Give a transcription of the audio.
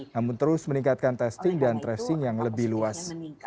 namun terus meningkatkan testing dan tracing yang lebih luas